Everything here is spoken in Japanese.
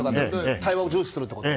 対話を重視するということを。